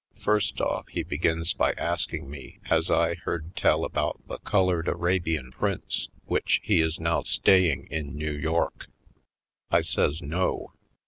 First off, he begins by asking me has I heard tell about the Colored Arabian Prince, which he is now staying in New York? I says no.